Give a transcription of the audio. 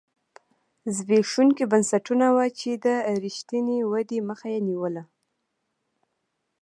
زبېښونکي بنسټونه وو چې د رښتینې ودې مخه یې نیوله.